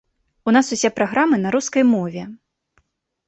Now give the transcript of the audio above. У нас усе праграмы на рускай мове.